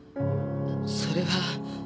それは。